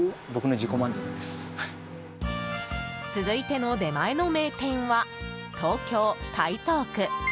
続いての出前の名店は東京・台東区。